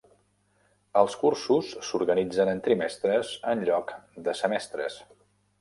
Els cursos s'organitzen en trimestres en lloc de semestres.